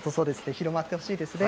広まってほしいですね。